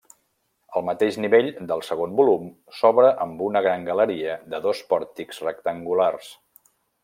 El mateix nivell del segon volum s'obre amb una gran galeria de dos pòrtics rectangulars.